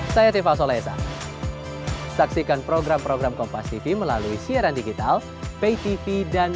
saya tifa solesa saksikan program program kompas tv melalui siaran digital pay tv dan